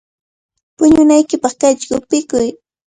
Puñunaykipaq kaychaw qupikuy.